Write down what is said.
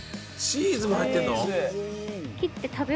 チーズも入ってるの？